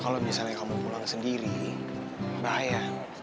kalau misalnya kamu pulang sendiri bahaya